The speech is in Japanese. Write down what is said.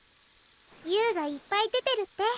ユウがいっぱい出てるって。